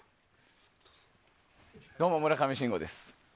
どうも村上信五です。